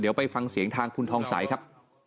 เดี๋ยวไปฟังเสียงทางคุณทองใสครับ